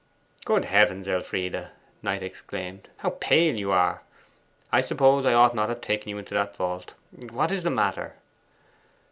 'Good heavens, Elfride,' Knight exclaimed, 'how pale you are! I suppose I ought not to have taken you into that vault. What is the matter?